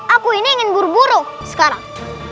aku ini ingin buru buru sekarang